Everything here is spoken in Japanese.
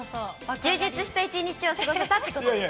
充実した一日を過ごせたってことです。